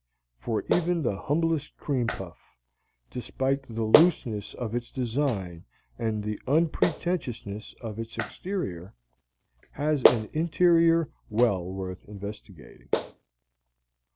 For even the humblest cream puff, despite the looseness of its design and the unpretentiousness of its exterior, has an interior well worth investigating.